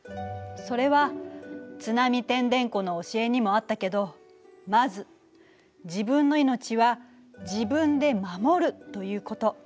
それは「津波てんでんこ」の教えにもあったけどまず自分の命は自分で守るということ。